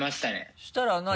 そしたら何？